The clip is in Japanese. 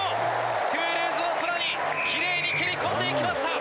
トゥールーズの空に、きれいに蹴り込んでいきました。